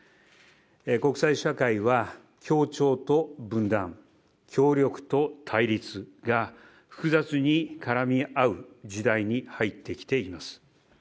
国際社会は協調と分断、協力と対立が複雑に絡み合う時代に入ってきています。